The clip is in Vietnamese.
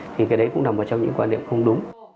thì cái đấy cũng nằm trong những quan điểm không đúng